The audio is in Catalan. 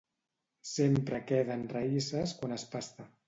Sempre queden raïsses quan es pasta.